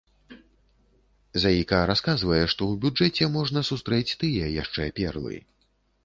Заіка расказвае, што у бюджэце можна сустрэць тыя яшчэ перлы.